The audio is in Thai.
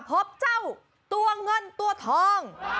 พบเจ้าตัวเงินตัวทอง